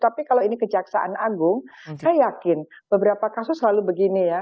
tapi kalau ini kejaksaan agung saya yakin beberapa kasus selalu begini ya